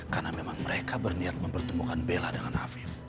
karena memang mereka berniat mempertemukan bella dengan afif